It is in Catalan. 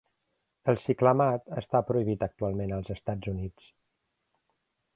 El ciclamat està prohibit actualment als Estats Units.